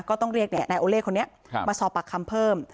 ก็ต้องเรียกนายโอเล่คนนี้มาสอบปากคำเพิ่ม